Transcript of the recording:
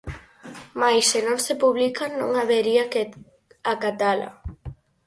Mais se non se publica, non habería que acatala.